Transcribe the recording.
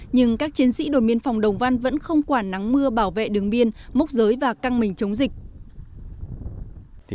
nhưng các chiến sĩ đồn biên phòng đồng văn vẫn không quản nắng mưa bảo vệ đường biên mốc giới và căng mình chống dịch